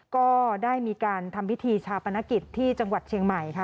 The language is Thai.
ก็ได้มีการทำพิธีชาปนกิจที่จังหวัดเชียงใหม่ค่ะ